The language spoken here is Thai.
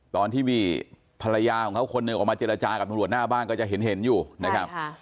ตอนที่มีภรรยาของเขาคนหนึ่งออกมาเจรจากับตำรวจหน้าบ้านก็จะเห็นอยู่นะครับ